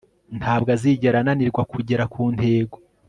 ntabwo azigera ananirwa kugera kuntego